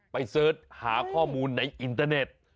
ไปติดตามหาข้อมูลในอินเทอร์เน็ต